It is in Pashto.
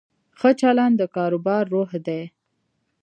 ښه چلند د کاروبار روح دی.